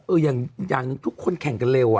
จริงค่ะคุณนี่คือแบบว่าอย่าไปแข่งเร็วเอาแข่งชัวร์ดีกว่า